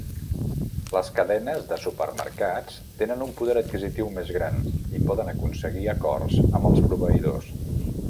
Les cadenes de supermercats tenen un poder adquisitiu més gran i poden aconseguir acords amb els proveïdors.